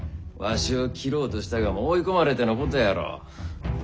わしを斬ろうとしたがも追い込まれてのことやろ。